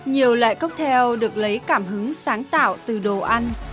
nhiều loại coctel được lấy cảm hứng sáng tạo từ đồ ăn